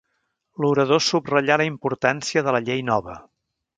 L'orador subratllà la importància de la llei nova.